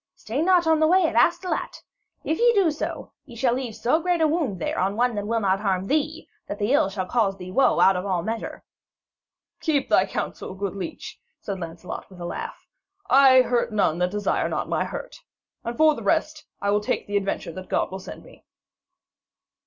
Stay not on thy way at Astolat. If ye do so, ye shall leave so great a wound there on one that will not harm thee, that the ill shall cause thee woe out of all measure.' 'Keep thy counsel, good leech,' said Sir Lancelot with a laugh. 'I hurt none that desire not my hurt. And, for the rest, I will take the adventure that God will send me.'